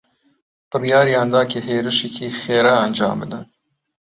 بڕیاریان دا کە هێرشێکی خێرا ئەنجام بدەن.